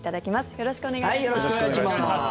よろしくお願いします。